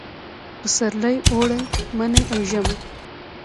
پسرلي، اوړي، مني او ژمي